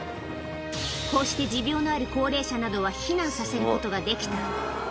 こうして持病のある高齢者などは避難させることができた。